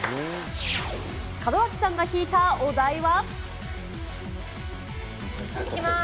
門脇さんが引いたお題は。